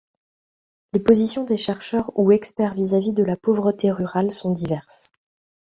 Les positions des chercheurs ou experts vis-à-vis de la pauvreté rurale sont diverses.